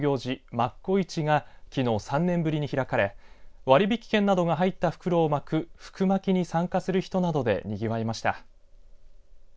マッコ市がきのう３年ぶりに開かれ割引券などが入った袋をまく福まきに参加する人などでにぎわいました。